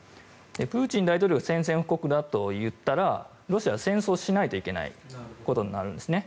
プーチン大統領は宣戦布告だと言ったらロシアは戦争しないといけないことになるんですね。